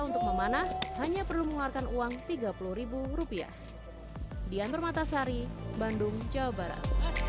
untuk memanah hanya perlu mengeluarkan uang tiga puluh rupiah dian permatasari bandung jawa barat